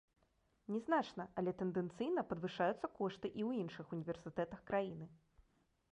Не значна, але тэндэнцыйна падвышаюцца кошты і ў іншых універсітэтах краіны.